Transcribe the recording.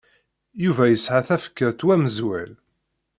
Yuba isɛa tafekka ttwameẓwel.